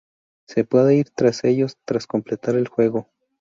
Se puede ir tras ellos tras completar el juego.